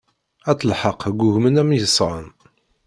At lḥeqq ggugmen am yesɣan.